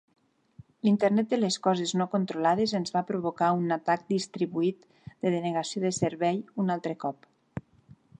L'internet de les coses no controlades ens va provocar un atac distribuït de denegació de servei un altre cop.